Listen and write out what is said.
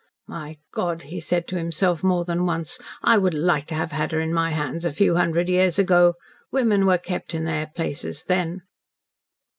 "My God," he said to himself more than once, "I would like to have had her in my hands a few hundred years ago. Women were kept in their places, then."